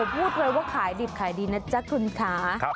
พูดเลยว่าขายดิบขายดีนะจ๊ะคุณค่ะ